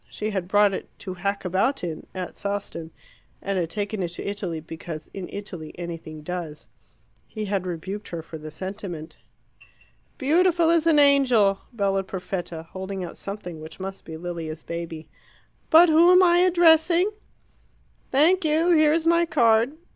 She had brought it "to hack about in" at Sawston, and had taken it to Italy because "in Italy anything does." He had rebuked her for the sentiment. "Beautiful as an angel!" bellowed Perfetta, holding out something which must be Lilia's baby. "But who am I addressing?" "Thank you here is my card."